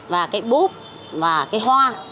và cái búp và cái hoa